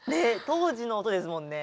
当時の音ですもんね。